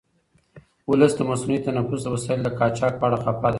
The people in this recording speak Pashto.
ولس د مصنوعي تنفس د وسایلو د قاچاق په اړه خفه دی.